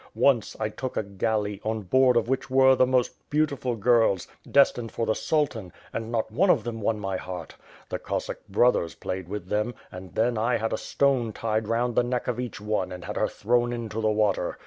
Once, I took a galley, on board of which were the most beautiful girls, destined for the Sultan; and not one of them won my heart! The Cossack brothers played with them, amd then I had a stone tied round the neck of each one and had her thrown into the water.